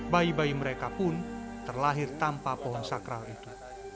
bayi bayi mereka pun terlahir tanpa pohon sakral itu